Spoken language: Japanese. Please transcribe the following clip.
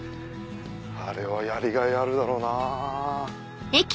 あれはやりがいあるだろうな。